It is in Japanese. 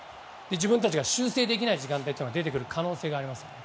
自分たちが修正できない時間帯が出てくる可能性があります。